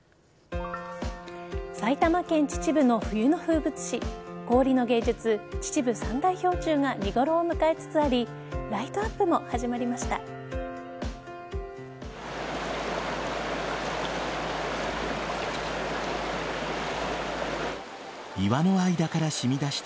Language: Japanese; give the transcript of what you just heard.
埼玉県秩父の冬の風物詩氷の芸術・秩父三大氷柱が見頃を迎えつつありライトアップも始まりました。